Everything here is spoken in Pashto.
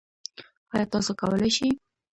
ایا تاسو کولی شئ؟